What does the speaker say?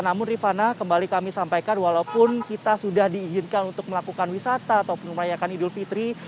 namun rifana kembali kami sampaikan walaupun kita sudah diizinkan untuk melakukan wisata ataupun merayakan idul fitri